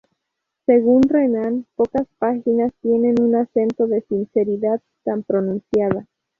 Según Renan, "pocas páginas tienen un acento de sinceridad tan pronunciada".